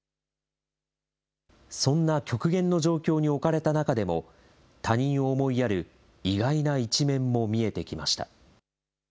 そんな極限の状況に置かれた中でも、他人を思いやる意外な一面も見えてきました。